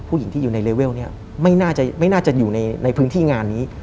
ผู้หญิงที่อยู่ในเลเวลนี้ไม่น่าจะอยู่ในพื้นที่งานนี้